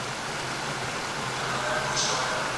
افغانان لویه جرګه ولي خپله ډېره پخوانۍ او ملي عنعنه بولي؟